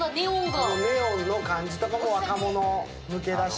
ネオンの感じとかも若者向けだし。